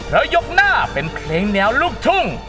แล้วยกหน้าเป็นเพลงแนวลูกทุ่ง